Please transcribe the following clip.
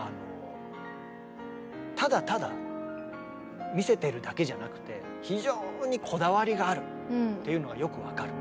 ただただ見せてるだけじゃなくて非常にこだわりがあるっていうのがよく分かる。